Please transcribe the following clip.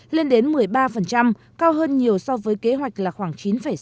lên đến một mươi ba cao hơn nhiều so với kế hoạch là khoảng chín sáu